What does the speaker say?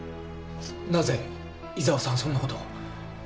なぜ伊沢さんはそんな事を？